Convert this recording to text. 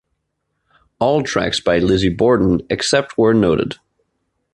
All tracks by Lizzy Borden except where noted.